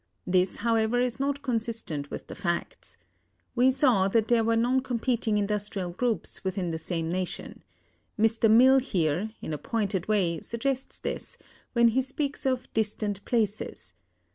This, however, is not consistent with the facts. We saw that there were non competing industrial groups within the same nation. Mr. Mill here, in a pointed way, suggests this, when he speaks of "distant places."